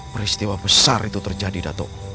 peristiwa besar itu terjadi dato